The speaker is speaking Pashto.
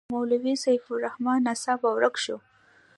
مولوي سیف الرحمن ناڅاپه ورک شو.